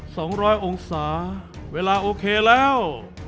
สองร้อยองศาเวลาโอเคแล้ว